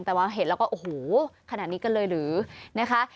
แต่ว่าเห็นแล้วก็โอ้โหขนาดนี้กันเลยหรือนะคะ